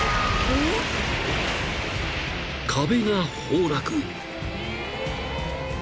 ［壁が崩落］